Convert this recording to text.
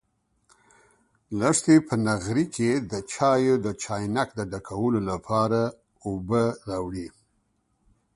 لښتې په نغري کې د چایو د چاینک د ډکولو لپاره اوبه راوړې.